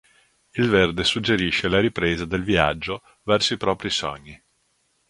Il verde suggerisce la ripresa del viaggio verso i propri sogni.